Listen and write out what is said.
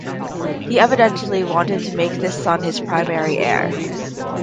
He evidently wanted to make this son his primary heir.